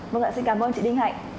vâng ạ xin cảm ơn chị đinh hạnh